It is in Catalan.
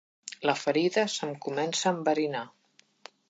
La ferida se'm comença a enverinar.